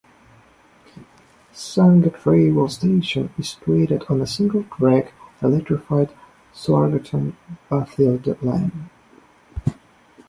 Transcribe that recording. Sangat railway station is situated on single track electrified Suratgarh–Bathinda line.